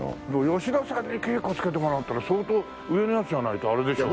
吉田さんに稽古つけてもらうっていうのは相当上のやつじゃないとあれでしょ？